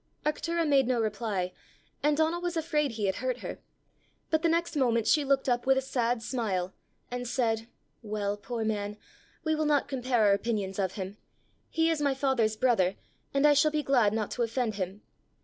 Arctura made no reply, and Donal was afraid he had hurt her; but the next moment she looked up with a sad smile, and said, "Well, poor man! we will not compare our opinions of him: he is my father's brother, and I shall be glad not to offend him.